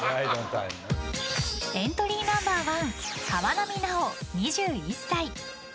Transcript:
エントリーナンバー１川波奈央、２１歳。